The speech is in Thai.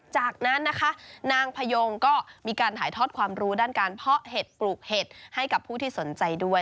จากนั้นนะคะนางพยงก็มีการถ่ายทอดความรู้ด้านการเพาะเห็ดปลูกเห็ดให้กับผู้ที่สนใจด้วย